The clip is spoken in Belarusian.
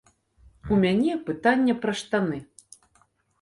У мяне пытанне пра штаны.